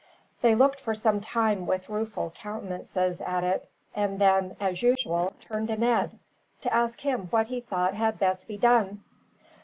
They looked for some time with rueful countenances at it; and then, as usual, turned to Ned, to ask him what he thought had best be done.